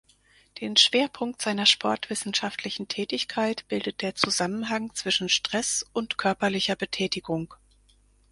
Den Schwerpunkt seiner sportwissenschaftlichen Tätigkeit bildet der Zusammenhang zwischen Stress und körperlicher Betätigung.